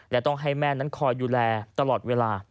และต้องให้แม่นั้นคอยดูแลตลอดเวลา